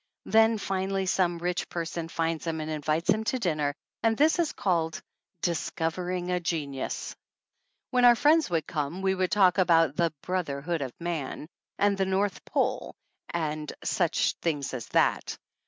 Then finally some rich person finds him and invites him to dinner, and this is called "discovering a genius." When our friends would come we would talk 40 THE ANNALS OF ANN about the "Brotherhood of Man" and the North Pole and such things as that.